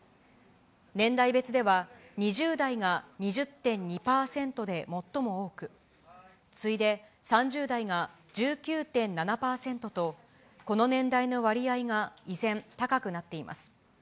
年代別では、２０代が２０．２％で最も多く、次いで３０代が１９．７％と、この年代の割合が依然、高くなっています。